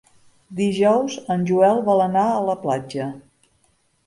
Dijous en Joel vol anar a la platja.